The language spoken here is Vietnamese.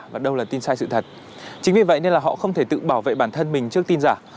và đâu là tin sai sự thật chính vì vậy nên là họ không thể tự bảo vệ bản thân mình trước tin giả